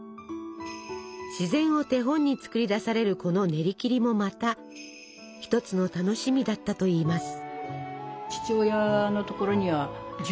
自然を手本に作り出されるこのねりきりもまた一つの楽しみだったといいます。